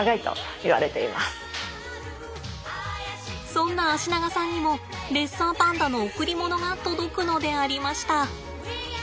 そんな脚長さんにもレッサーパンダの贈り物が届くのでありました。